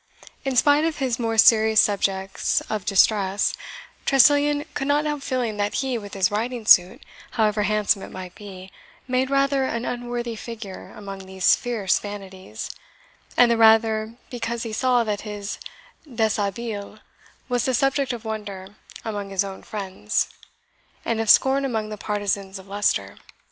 In spite of his more serious subjects of distress, Tressilian could not help feeling that he, with his riding suit, however handsome it might be, made rather an unworthy figure among these "fierce vanities," and the rather because he saw that his deshabille was the subject of wonder among his own friends, and of scorn among the partisans of Leicester.